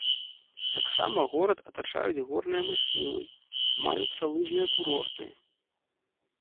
Таксама горад атачаюць горныя масівы, маюцца лыжныя курорты.